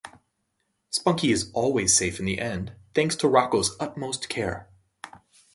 Spunky is always safe in the end, thanks to Rocko's utmost care.